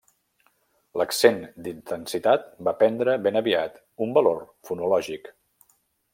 L'accent d'intensitat va prendre ben aviat un valor fonològic.